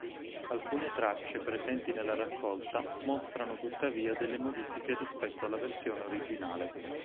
Alcune tracce presenti nella raccolta mostrano tuttavia delle modifiche rispetto alla versione originale.